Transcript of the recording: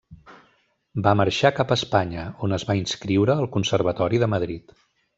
Va marxar cap a Espanya, on es va inscriure al Conservatori de Madrid.